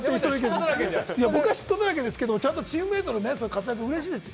僕は嫉妬だらけですけれどもチームメートの活躍は嬉しいですよ。